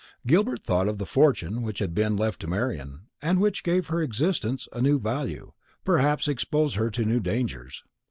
Gilbert thought of the fortune which had been left to Marian, and which gave her existence a new value, perhaps exposed her to new dangers.